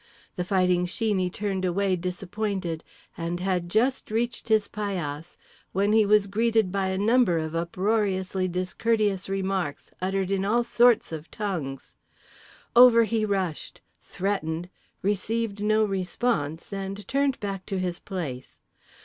The Fighting Sheeney turned away disappointed, and had just reached his paillasse when he was greeted by a number of uproariously discourteous remarks uttered in all sorts of tongues. Over he rushed, threatened, received no response, and turned back to his place.